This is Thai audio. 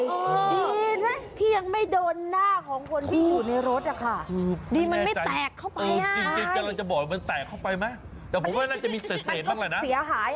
ดีนะที่ยังไม่โดนหน้าของคนที่อยู่ในรถอะค่ะ